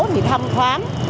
thì thông khoán